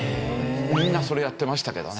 みんなそれやってましたけどね。